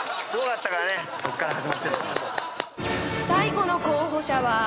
［最後の候補者は］